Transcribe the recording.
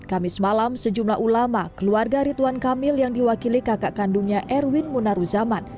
kamis malam sejumlah ulama keluarga ridwan kamil yang diwakili kakak kandungnya erwin munaruzaman